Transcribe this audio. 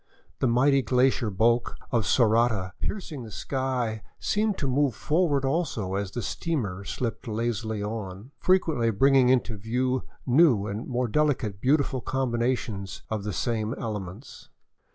The mighty glacier bulk of Sorata piercing the sky seemed to move forward also, as the steamer slipped lazily on, frequently bringing into view new and more delicately beau tiful combinations of the same elements.